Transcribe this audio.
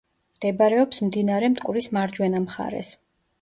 მდებარეობს მდინარე მტკვრის მარჯვენა მხარეს.